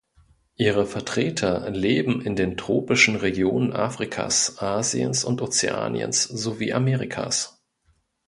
Ihre Vertreter leben in den tropischen Regionen Afrikas, Asiens und Ozeaniens sowie Amerikas.